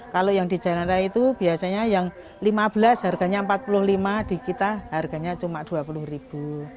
kalau yang di jalan raya itu biasanya yang lima belas harganya rp empat puluh lima di kita harganya cuma rp dua puluh ribu